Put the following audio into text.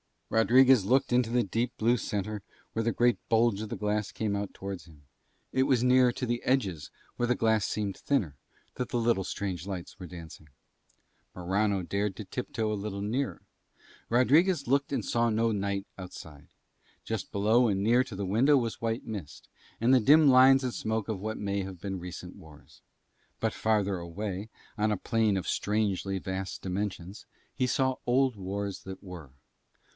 Rodriguez looked into the deep blue centre where the great bulge of the glass came out towards him; it was near to the edges where the glass seemed thinner that the little strange lights were dancing; Morano dared to tiptoe a little nearer. Rodriguez looked and saw no night outside. Just below and near to the window was white mist, and the dim lines and smoke of what may have been recent wars; but farther away on a plain of strangely vast dimensions he saw old wars that were.